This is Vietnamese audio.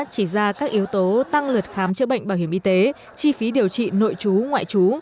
chỉ ra các yếu tố tăng lượt khám chữa bệnh bảo hiểm y tế chi phí điều trị nội chú ngoại chú